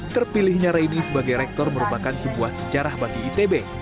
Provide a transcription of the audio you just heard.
terpilihnya raini sebagai rektor merupakan sebuah sejarah bagi itb